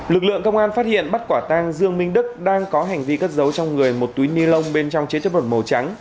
lực lượng công an phát hiện bắt quả tang dương minh đức đang có hành vi cất giấu trong người một túi ni lông bên trong chế chất vật màu trắng